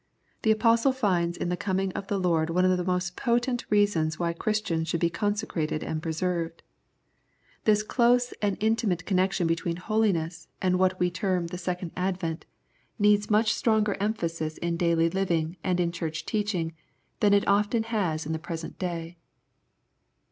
The Apostle finds in the coming of the Lord one of the most potent reasons why Christians should be consecrated and preserved. This close and intimate connection between holiness, and what we term the Second Advent, needs much 24 Consecration and Preservation stronger emphasis in daily living and in church teaching than it often has in the present day.